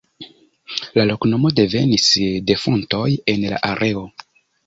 La loknomo devenis de fontoj en la areo.